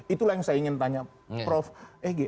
itulah yang saya ingin tanya prof ege